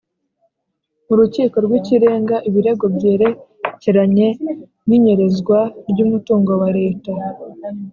Urukiko rw’ Ikirenga ibirego byerekeranye n’inyerezwa ryumutungo wa leta